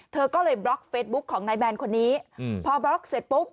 เธอก็เลยบล็อกเฟซบุ๊คของนายแมนคนนี้พอบล็อกเสร็จปุ๊บ